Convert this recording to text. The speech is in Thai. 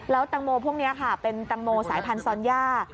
แล้วตังโมพวกนี้ค่ะเป็นตังโมสายพันธอนย่า